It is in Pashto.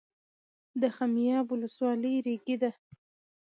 د خمیاب ولسوالۍ ریګي ده